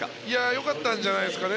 よかったんじゃないですかね。